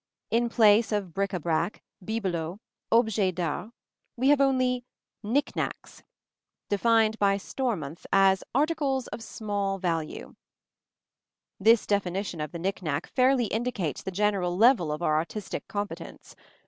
In place of bric à brac, bibelots, objets d'art, we have only knick knacks defined by Stormonth as "articles of small value." This definition of the knick knack fairly indicates the general level of our artistic competence.